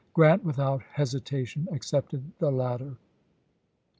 Grant, without hesitation, accepted the latter.